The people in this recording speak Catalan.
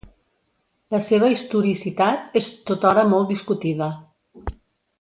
La seva historicitat és tothora molt discutida.